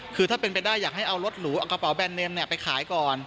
คือถ้าเป็นไปได้อยากให้เอารถหรูเอากระเป๋าแบรนเนมไปขายก่อน